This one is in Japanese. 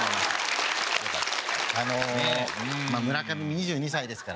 村上２２歳ですからね。